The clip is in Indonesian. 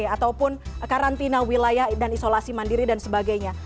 ataupun karantina wilayah dan isolasi mandiri dan sebagainya